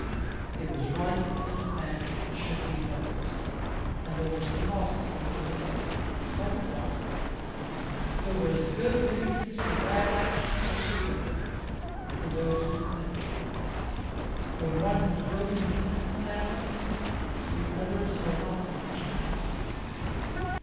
It was right that this man should be hers, and there were some obstacles in the way. That was all. There are as good reasons for bad actions as for good ones, to those who commit them. When one has broken the tenth commandment, the others are not of much account.